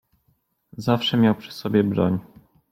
"Zawsze miał przy sobie broń."